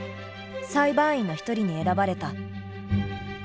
裁判員の一人に選ばれた。